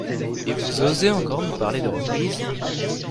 Et vous osez encore nous parler de reprise